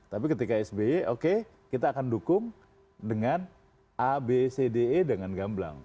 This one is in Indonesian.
tapi ketika sby oke kita akan dukung dengan abcde dengan gamblang